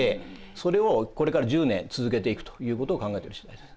それをこれから１０年続けていくということを考えている次第です。